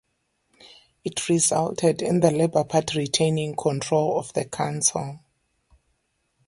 It resulted in the Labour Party retaining control of the council.